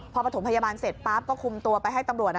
พอประถมพยาบาลเสร็จปั๊บก็คุมตัวไปให้ตำรวจ